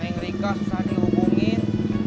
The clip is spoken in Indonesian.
mengrikah susah dihubungin